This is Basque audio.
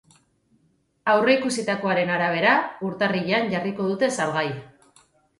Aurreikusitakoaren arabera, urtarrilean jarriko dute salgai.